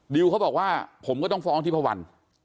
เขาบอกว่าผมก็ต้องฟ้องทิพวัน